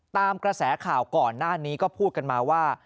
ตามกระแสข่าวก่อนหน้านี้ก็พูดกันมาว่า